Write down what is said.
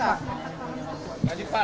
lanjut pak lanjut pak